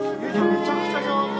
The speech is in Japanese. めちゃくちゃ上手！